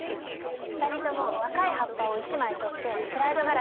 ２人とも若い葉っぱを１枚取ってスライドガラスに乗せてみて。